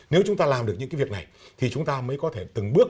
nếu chúng ta làm được những cái việc này thì chúng ta mới có thể từng bước